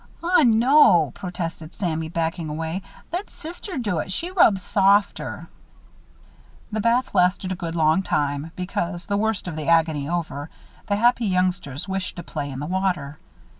"Aw, no," protested Sammy, backing away. "Let sister do it she rubs softer." The bath lasted a good long time, because, the worst of the agony over, the happy youngsters wished to play in the water.